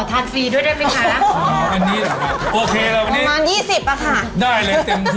ได้เลยเต็มที่ครับ